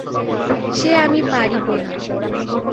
সে আমি পারিব না।